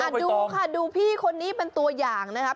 ดูค่ะดูพี่คนนี้เป็นตัวอย่างนะครับ